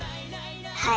はい。